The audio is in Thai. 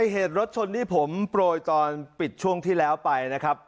เหตุรถชนที่ผมโปรยตอนปิดช่วงที่แล้วไปนะครับ